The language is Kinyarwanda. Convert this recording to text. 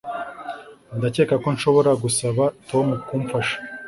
Ndakeka ko nshobora gusaba Tom kumfasha